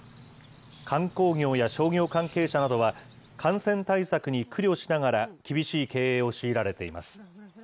観光業や商業関係者などは、感染対策に苦慮しながら、厳しい経営を強いられています。